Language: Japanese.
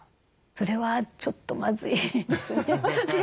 それはちょっとまずいですね。